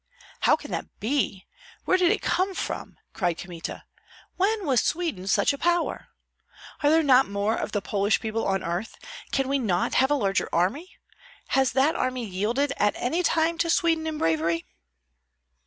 "How can that be? Where did it come from?" cried Kmita. "When was Sweden such a power? Are there not more of the Polish people on earth, can we not have a larger army? Has that army yielded at any time to Sweden in bravery?"